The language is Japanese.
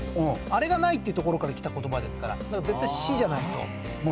あれがないっていうところからきた言葉ですから絶対「し」じゃないと。